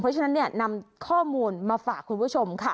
เพราะฉะนั้นเนี่ยนำข้อมูลมาฝากคุณผู้ชมค่ะ